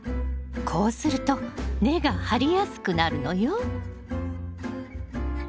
こうすると根が張りやすくなるのよ。